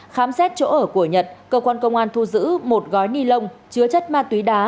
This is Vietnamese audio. khám xét chỗ ở của nhật cơ quan công an thu giữ một gói ni lông chứa chất ma túy đá